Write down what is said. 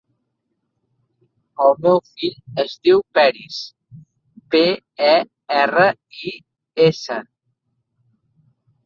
El meu fill es diu Peris: pe, e, erra, i, essa.